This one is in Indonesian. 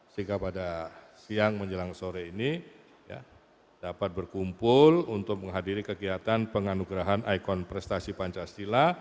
sehingga pada siang menjelang sore ini dapat berkumpul untuk menghadiri kegiatan penganugerahan ikon prestasi pancasila